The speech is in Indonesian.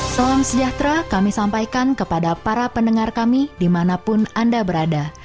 salam sejahtera kami sampaikan kepada para pendengar kami dimanapun anda berada